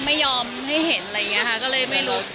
แต่ยังไม่อย่างที่ด้วย